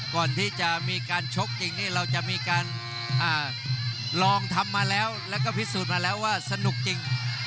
ก่อนที่จะมีการชกจริงนี่เราจะมีการลองทำมาแล้วแล้วก็พิสูจน์มาแล้วว่าสนุกจริง